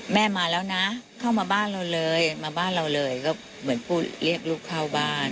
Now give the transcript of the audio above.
มาแล้วนะเข้ามาบ้านเราเลยมาบ้านเราเลยก็เหมือนพูดเรียกลูกเข้าบ้าน